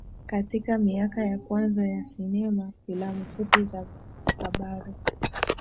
Katika miaka ya kwanza ya sinema filamu fupi za habari